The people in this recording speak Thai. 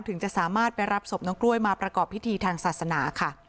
ถึงจะสามารถไปรับศพน้องกล้วยมาประกอบพิธีทางศาสนาค่ะ